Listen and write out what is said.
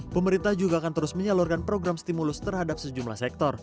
pemerintah juga akan terus menyalurkan program stimulus terhadap sejumlah sektor